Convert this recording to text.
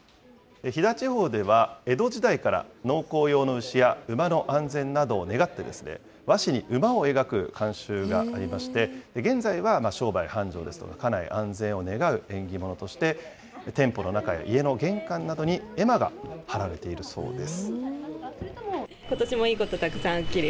飛騨地方では江戸時代から、農耕用の牛や馬の安全などを願って、和紙に馬を描く慣習がありまして、現在は商売繁盛ですとか、家内安全を願う縁起物として、店舗の中や家の玄関などに絵馬がはられているそうです。